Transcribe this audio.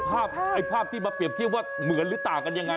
ไอ้ภาพที่มาเปรียบเทียบว่าเหมือนหรือต่างกันยังไง